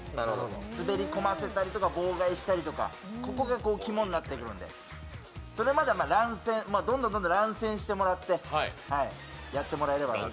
滑り込ませたりとか妨害したりとか、ここがキモになってくるんで、それまでは、どんどん乱戦してもらってやってもらえれば。